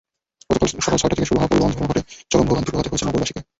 গতকাল সকাল ছয়টা থেকে শুরু হওয়া পরিবহন ধর্মঘটে চরম ভোগান্তি পোহাতে হয়েছে নগরবাসীকে।